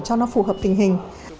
cho nó phù hợp tình hình